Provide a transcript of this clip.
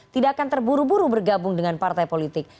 tidak akan terburu buru bergabung dengan partai politik